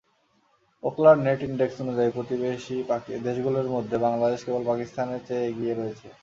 ওকলার net index অনুযায়ী, প্রতিবেশী দেশগুলোর মধ্যে বাংলাদেশ কেবল পাকিস্তানের চেয়ে এগিয়ে রয়েছে।